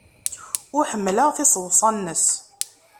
Ur ḥemmleɣ tiseḍsa-nnes.